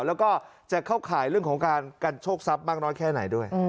แล้วก็จะเข้าข่ายเรื่องของการกันโชคทรัพย์มากน้อยแค่ไหนด้วย